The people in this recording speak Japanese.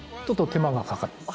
ちょっと手間がかかる。